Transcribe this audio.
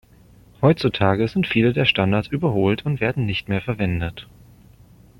Heutzutage sind viele der Standards überholt und werden nicht mehr verwendet.